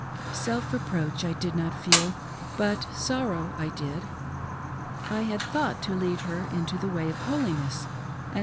Self reproach I did not feel, but sorrow I did. I had thought to lead her into th© way of holiness and.